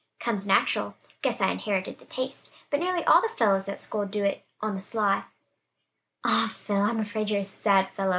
"Comes natural; guess I inherited the taste. But nearly all the fellows at school do it on the sly." "Ah, Phil, I'm afraid you're a sad fellow!"